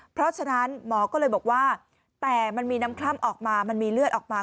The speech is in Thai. เพราะฉะนั้นหมอก็เลยบอกว่าแต่มันมีน้ำคล่ำออกมามันมีเลือดออกมา